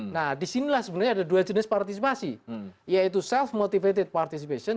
nah disinilah sebenarnya ada dua jenis partisipasi yaitu self motivated participation